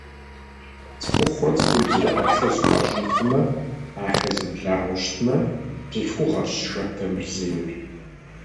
ЦӀыхухъурэ цӀыхубзрэ ӀэплӀэ зэхуащӀын хъумэ, ахэр зэмыблагъэу щытмэ, бзылъхугъэрщ жэрдэмыр зейр.